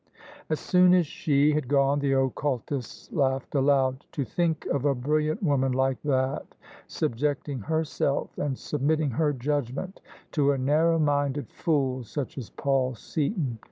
As soon as she had gone the occultist laughed aloud. '' To think of a brilliant woman like that subjecting herself and submitting her judgment to a narrow minded fool such as Paul Seaton!